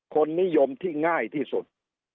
คนนิยมที่ง่ายที่สุด